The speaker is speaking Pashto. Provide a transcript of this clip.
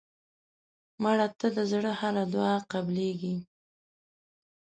مړه ته د زړه هره دعا قبلیږي